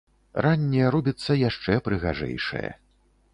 Ранне робіцца яшчэ прыгажэйшае.